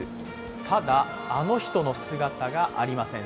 ただ、あの人の姿がありません。